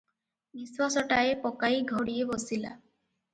ନିଶ୍ୱାସଟାଏ ପକାଇ ଘଡ଼ିଏ ବସିଲା ।